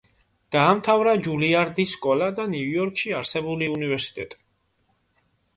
დაამთავრა ჯულიარდის სკოლა და ნიუ-იორკში არსებული უნივერსიტეტი.